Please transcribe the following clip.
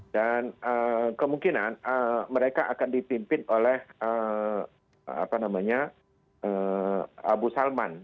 dan kemungkinan mereka akan dipimpin oleh abu salman